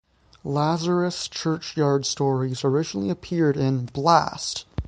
Lazarus Churchyard stories originally appeared in Blast!